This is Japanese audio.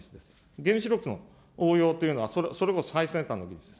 原子力の応用というのは、それこそ最先端の技術です。